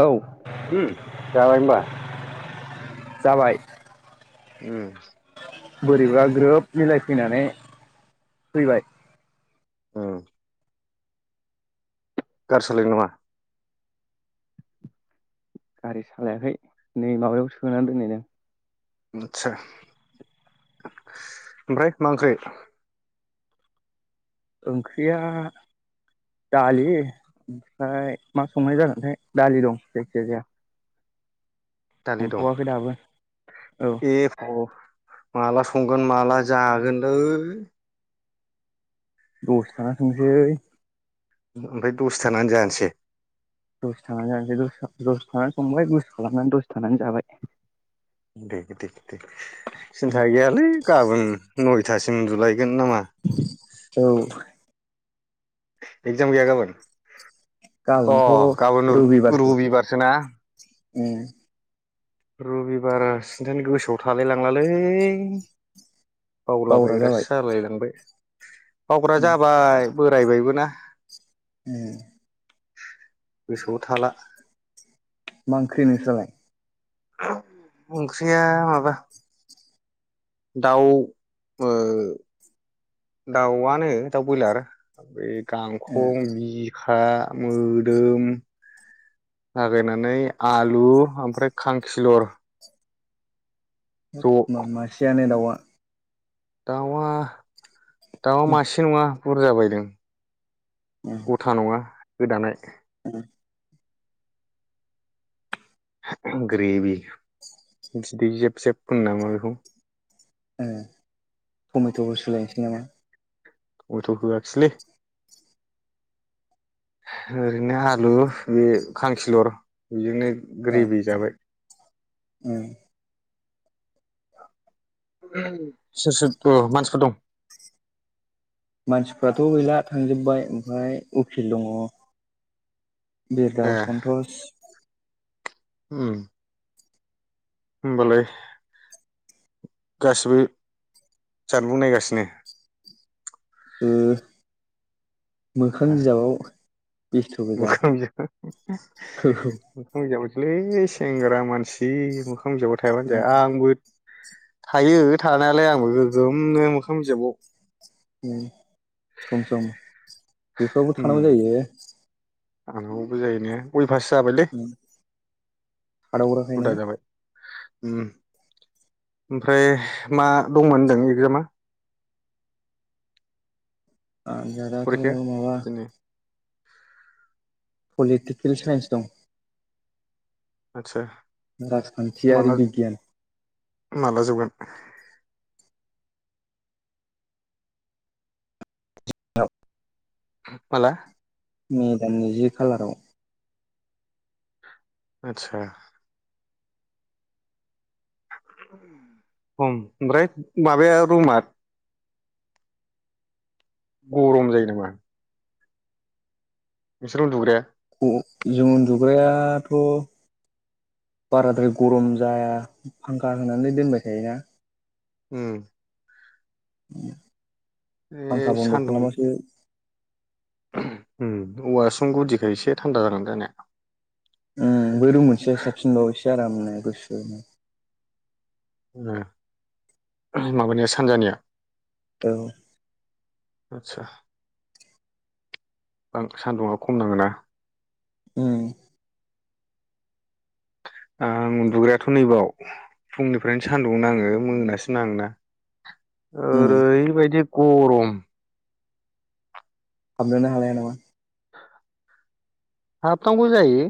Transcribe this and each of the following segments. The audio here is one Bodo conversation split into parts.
औ उम जाबाय होनबा? जाबाय। उम बोरैबा ग्रोब मिलाय फैनानै फैबाय। औ गारि सालायदों नामा? गारि सालायाखै नै माबायाव सोनानै दोनैदों। आतसा ओमफ्राय मा ओंख्रि? ओंख्रिया दालि ओमफ्राय मा संनाय जागोनथाय दालि दं जायखि जाया। दालि दं औ ए माला संगोन माला जागोनलै? दसे थाना संनिसै ओमफ्राय दसे थानानै जानोसै दसे थांनानै जानिसै दस थानानै संबाय दस खालामनानै दस थानानै जाबाय। दे दे दे सिन्था गैयालै गाबोन नय। दुथासिम उनदुलाइ जों नामा? औ एगजाम गैया गाबोन? अ गाबोनथ' गाबोन रु रबिबारसो रुबिबारसो ना? उम रबिबारा सिन्थानो गोसोआव थालाय लांलालै बावग्रा जाबाय बावलाबायग्रासो जालायलांबाय बावग्रा उम जाबाय। बोरायबायबो ना। उम गोसोआव थाला मा ओंख्रि नोंसालाय? ओंख्रिया माबा दाउ ओ दाउआनो दाउ ब्रयलार गांखं ए बि खा मोदोम लागायनानै आलु ओमफ्राय खांखिलर म ज' मासियानो दाउआ दाउआ दाउआ मासे नङा। बुर जाबायदों ए गथा नङा। गोदानाय। [inaudible] ग्रेभि बिदै जोब जोब होनो नामा बेखौ। ए टमेटबो सुलायनोसै नामा? अलथ होआखिसलै। ओरैनो आलु बे खांखिलर बेजोंनो औ ग्रेभि जाबाय उम। सोर सोर मानसिफोर दं? मानसिफ्राथ' गैला थांजोब्बाय ओमफ्राय उखिल दङ। बिरदव ए सन्तस उम होमबालाय गासिबो जानबुं नायगासिनो। ओ मोखां ए बिजाबाव बेस्थ' गोजा मोखां औ बिजाब लै सेंग्रा मानसि मो खां बिजाबाव थायाबानो उम जाया आंबो थायो थानायालाय आंबो गोगोमनो मोखां बिजाबाव। सम सम बेफोरावबो थानांगौ जायो। आनावो जायोने [unintelligible] फास जाबायलै उम उदा थादावग्राखायनो जाबाय। उम ओमफ्राय मा दंमोन होनदों एगजामा? आनजादाथ फरिखाया माबा दिनै पलिटिकेल साइन्स दं आतसा। राजखान्थियारि बिगियान। माला जोबगोन? माला? मेदाननि जि खालाराव। आतसा। उम ओमफ्राय माबाया रुमा। गरम जायो नामा? नोंसोर उन्दुग्राया। ओ जों उन्दुग्रायाथ बाराद्राय गरम जाया फांखा होनानै दोनबाय थायोना। उम [inaudible] ए फांखा बन्द' सान्दुं खालामबासो उम औवासुं गुदिखाय एसे थान्दा जागोन जानाया। उम बै रुम मोनसेयानो साबसिनबाव इसो आरामनो [unintelligible] ओम माबानि सानजानिया औ आच्छा, सान्दुुंआ खम नाङोना उम आं उन्दुग्रायाथ' नैबाव फुंनिफ्रायनो सानदुं नाङो मोनासिम नाङोना उम ओरैबायदि गरम हाबनोनो हालाया नामा? हाबनांगौ जायो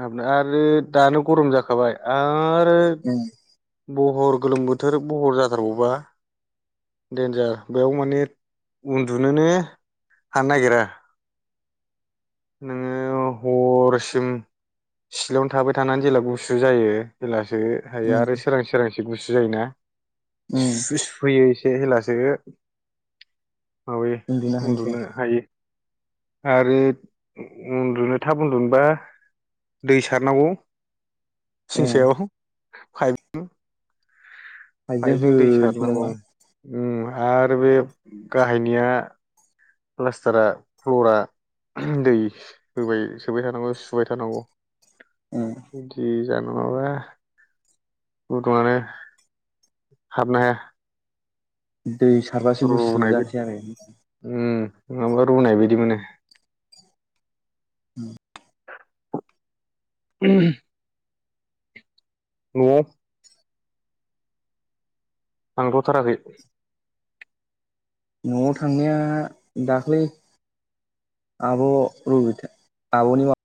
हाबनो आरो दानो गरम जाखाबाय आर ओ उम बहर गोलोम बोथोर बहर जाथारबावबा देन्जार बेयाव माने उन्दुनोनो हानो नागिरा। नोङो हरसिम सिलायावनो थाबाय थानानै जेब्ला गुसु जायो जेब्ला सो हायो उम आरो सोरांसि सोरांसि गुसु जायोना उम [unintelligible] से हेलासो माबायो उन्दुनो हायो। आरो उन्दुनो थाब उन्दुनबा दै सारनांगौ। ओ थिं सायाव पाइप पाइपजों दै होनोसै सारनांगौ नामा? उम आरो बे गाहायनिया प्लास्टारा फ्लरा दै होबाय सोबाय थानांगौ सुबाय थानांगौ। उम दि [unintelligible] नङाबा गुदुङानो हाबनो हाया। दै सारबासो गुसुु रुनाय बायदि जानोसै आरो। उम नङाबा रुनाय बायदि मोनो। ओम [unintelligible] न'आव थांथ' थाराखै न'आव थांनाया दाख्लै आब' रबिथा आब'नि माबा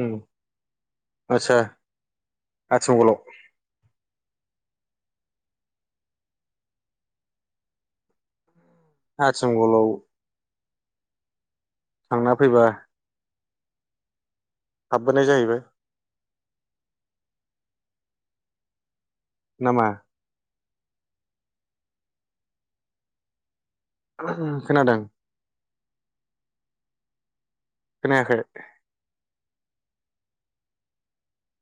ओम आच्छा आथिमंगलाव आथिमंगलाव थांना फैबा हाबबोनाय जाहैबाय नामा? खोनादों खोनायाखै।